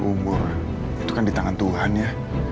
umur itu kan di tangan tuhan ya